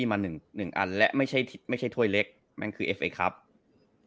มาหนึ่งหนึ่งอันและไม่ใช่ไม่ใช่ถ้วยเล็กนั่นคือเอฟเคครับ